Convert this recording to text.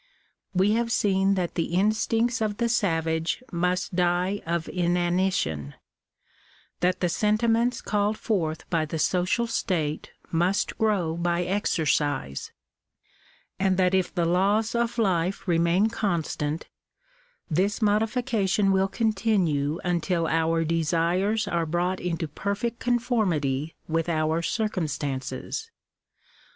We have seen that the instincts of the savage must die of inanition — that the sentiments called forth by the social state must grow by exercise, and that if the laws of life remain constant, this modification will continue until our desires are Digitized by VjOOQIC 188 THE BIGHTS OF CHILDREN. brought into perfect conformity with our circumstances.